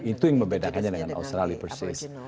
itu yang membedakannya dengan australia persis